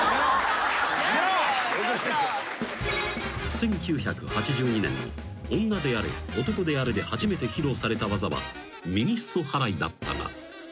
［１９８２年の『女であれ、男であれ』で初めて披露された技は右裾払いだったが］